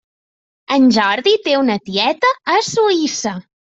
En Jordi té una tieta a Suïssa.